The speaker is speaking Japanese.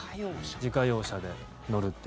自家用車で乗るっていう。